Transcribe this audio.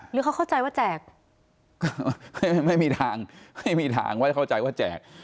หรือเขาเข้าใจว่าแจกไม่มีทางไม่มีทางไว้เข้าใจว่าแจก